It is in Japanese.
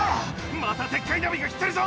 またデッカい波が来てるぞ！